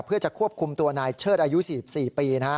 เพื่อจะควบคุมตัวนายเชิดอายุ๔๔ปี